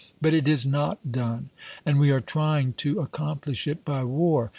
But it is not done, and we are trying to accomplish it by war.